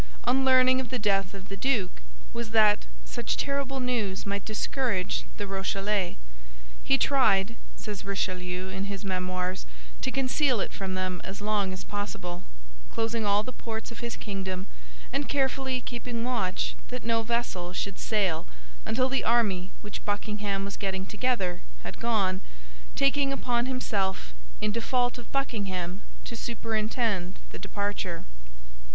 on learning of the death of the duke, was that such terrible news might discourage the Rochellais; he tried, says Richelieu in his Memoirs, to conceal it from them as long as possible, closing all the ports of his kingdom, and carefully keeping watch that no vessel should sail until the army which Buckingham was getting together had gone, taking upon himself, in default of Buckingham, to superintend the departure.